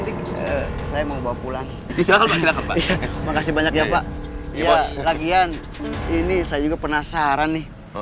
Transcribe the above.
pibilang fatih turkssih namelyapak padian ini saya penasaran nih hahaa pijat asli